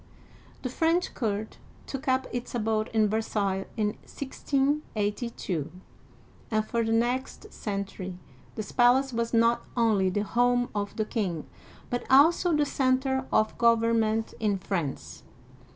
'*^ The French court took up its abode in Versailles in 1682, and for the next century this palace was not only the horfie of the king, but also the center of government in France.